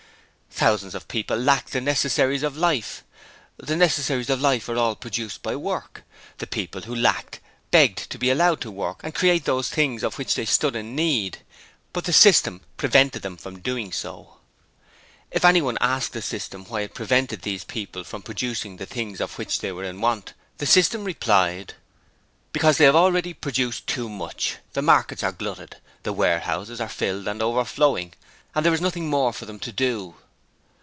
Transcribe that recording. Thousands of people lacked the necessaries of life. The necessaries of life are all produced by work. The people who lacked begged to be allowed to work and create those things of which they stood in need. But the System prevented them from so doing. If anyone asked the System why it prevented these people from producing the things of which they were in want, the System replied: 'Because they have already produced too much. The markets are glutted. The warehouses are filled and overflowing, and there is nothing more for them to do.'